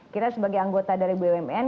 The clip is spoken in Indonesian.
kita sebagai anggota dari bumn